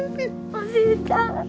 おじいちゃん。